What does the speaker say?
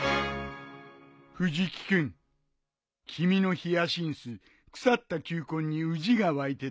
藤木君君のヒヤシンス腐った球根にウジが湧いてたよ。